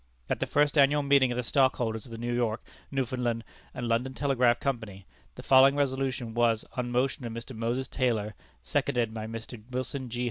At the first annual meeting of the stockholders of the New York, Newfoundland, and London Telegraph Company, the following resolution was, on motion of Mr. Moses Taylor, seconded by Mr. Wilson G.